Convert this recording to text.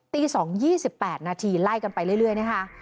ตี๒ห้าสิบแปดนาทีไล่กันไปเรื่อยนะคะ